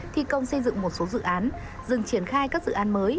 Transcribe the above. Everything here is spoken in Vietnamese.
thi công xây dựng một số dự án dừng triển khai các dự án mới